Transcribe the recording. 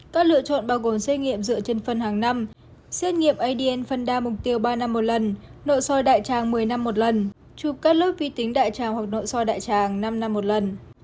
các lựa chọn bao gồm xét nghiệm dựa trên phân hàng năm xét nghiệm adn phân đa mục tiêu ba năm một lần nội soi đại tràng một mươi năm một lần chụp các lớp vi tính đại tràng hoặc nội soi đại tràng năm năm một lần